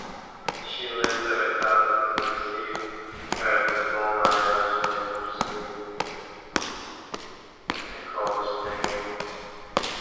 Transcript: She later returned to receive her diploma, eventually pursuing a college degree.